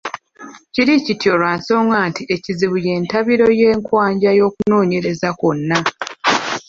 Kiri kityo lwa nsonga nti ekizibu y’entabiro y’enkwajja y’okunoonyereza kwonna.